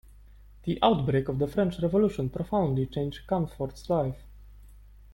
The outbreak of the French Revolution profoundly changed Chamfort's life.